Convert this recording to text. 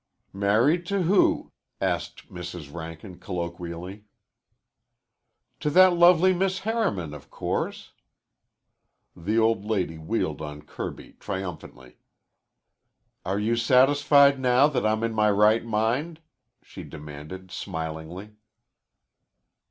"Married to who?" asked Mrs. Rankin colloquially. "To that lovely Miss Harriman, of course." The old lady wheeled on Kirby triumphantly. "Are you satisfied now that I'm in my right mind?" she demanded smilingly.